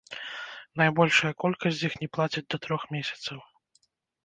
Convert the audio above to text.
Найбольшая колькасць з іх не плацяць да трох месяцаў.